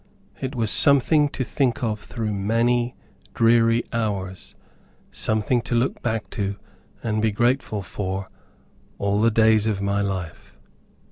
It was something to think of through many dreary hours, something to look back to, and be grateful for, all the days of my life.